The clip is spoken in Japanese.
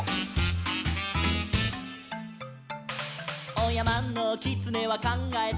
「おやまのきつねはかんがえた」